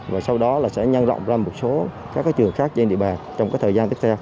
và sau đó sẽ nhanh rộng ra một số trường khác trên địa bàn trong thời gian tiếp theo